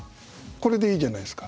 これでいいじゃないですか。